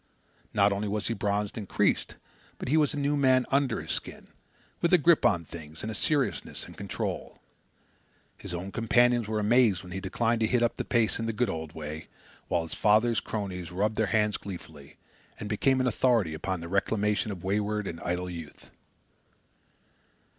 Not only was he bronzed and creased, but he was a new man under his skin, with a grip on things and a seriousness and control. His old companions were amazed when he declined to hit up the pace in the good old way, while his father's crony rubbed hands gleefully, and became an authority upon the reclamation of wayward and idle youth.